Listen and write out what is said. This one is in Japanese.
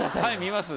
見ます。